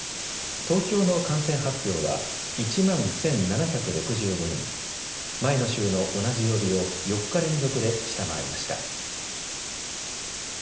東京の感染発表は、１万１７６５人、前の週の同じ曜日を４日連続で下回りました。